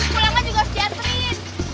kulangnya juga si jaterine